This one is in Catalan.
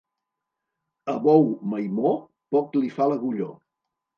A bou maimó, poc li fa l'agulló.